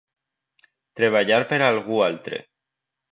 Treballar per a algú altre.